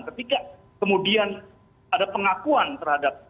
ketika kemudian ada pengakuan terhadap